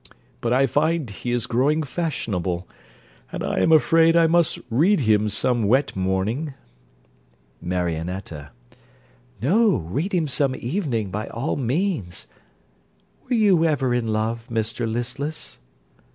But I find he is growing fashionable, and I am afraid I must read him some wet morning. MARIONETTA No, read him some evening, by all means. Were you ever in love, Mr Listless?